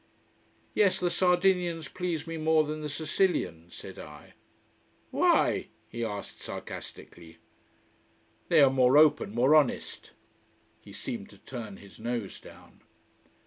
"Yes, the Sardinians please me more than the Sicilians," said I. "Why?" he asked sarcastically. "They are more open more honest." He seemed to turn his nose down.